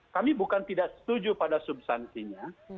kami bukan tidak setuju pada substansinya